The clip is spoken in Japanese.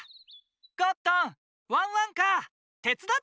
ゴットンワンワンカーてつだってくれる？